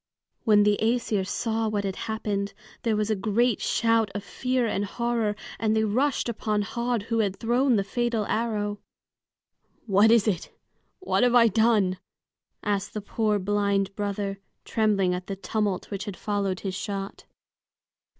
When the Æsir saw what had happened, there was a great shout of fear and horror, and they rushed upon Höd, who had thrown the fatal arrow. "What is it? What have I done?" asked the poor blind brother, trembling at the tumult which had followed his shot.